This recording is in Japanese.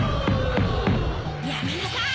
やめなさい！